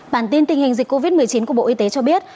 bản tin tình hình dịch covid một mươi chín của bộ y tế cho biết